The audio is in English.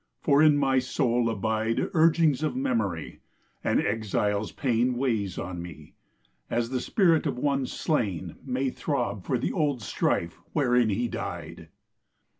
for in my soul abide Urgings of memory; and exile's pain Weighs on me, as the spirit of one slain May throb for the old strife wherein he died.